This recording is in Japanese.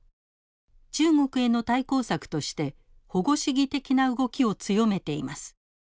中国への対抗策として保護主義的な動きを強めています。